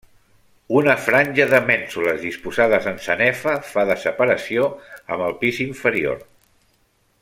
Una franja de mènsules disposades en sanefa fa de separació amb el pis inferior.